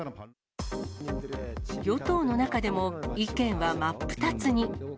与党の中でも意見は真っ二つに。